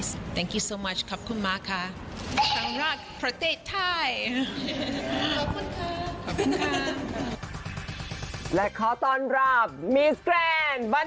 ชิคกี้พาย